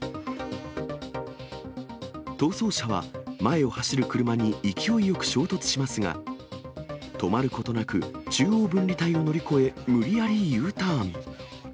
逃走車は前を走る車に勢いよく衝突しますが、止まることなく、中央分離帯を乗り越え、無理やりＵターン。